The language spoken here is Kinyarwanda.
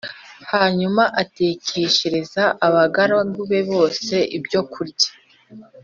hanyuma atekeshereza abagaragu be bose ibyokurya